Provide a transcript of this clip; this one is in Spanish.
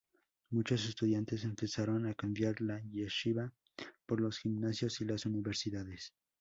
Muchos estudiantes empezaron a cambiar la yeshivá por los gimnasios y las universidades.